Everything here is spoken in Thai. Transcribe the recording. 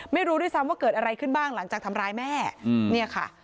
ไม่รู้ด้วยซ้ำว่าเกิดอะไรขึ้นบ้างหลังจากทำร้ายแม่เนี่ยค่ะ